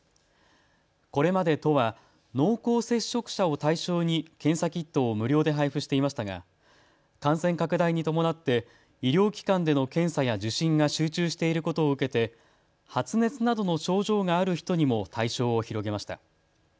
これまで都は濃厚接触者を対象に検査キットを無料で配布していましたが感染拡大に伴って医療機関での検査や受診が集中していることを受けて発熱などの症状がある人にも対象を広げました。